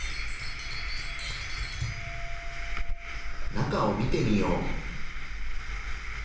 中を見てみよう。